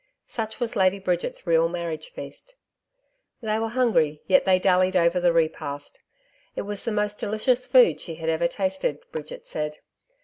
Such was Lady Bridget's real marriage feast. They were hungry, yet they dallied over the repast. It was the most delicious food she had ever tasted, Bridget said.